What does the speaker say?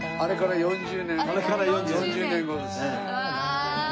４０年後です。